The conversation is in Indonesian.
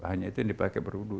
hanya itu yang dipakai beruduh